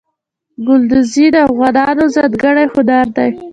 ګلدوزي د افغانانو ځانګړی هنر دی.